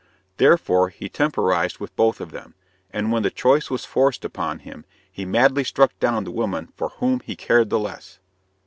Therefore, he temporized with both of them, and when the choice was forced upon him he madly struck down the woman for whom he cared the less.